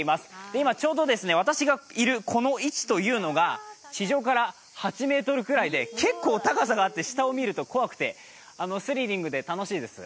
今、ちょうど私がいるこの位置というのが地上から８ｍぐらいで結構高さがあって下を見ると怖くて、スリリングで楽しいです。